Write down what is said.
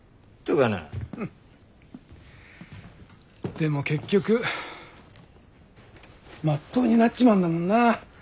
でも結局まっとうになっちまうんだもんな。